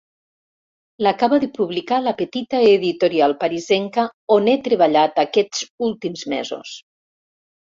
L'acaba de publicar la petita editorial parisenca on he treballat aquests últims mesos.